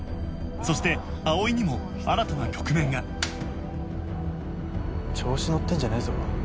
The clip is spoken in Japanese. そして葵にも新たな局面が調子のってんじゃねえぞ。